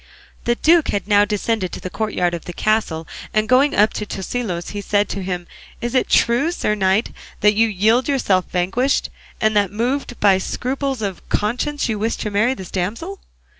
'" The duke had now descended to the courtyard of the castle, and going up to Tosilos he said to him, "Is it true, sir knight, that you yield yourself vanquished, and that moved by scruples of conscience you wish to marry this damsel?"